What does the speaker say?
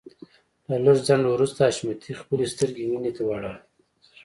له لږ ځنډ وروسته حشمتي خپلې سترګې مينې ته واړولې.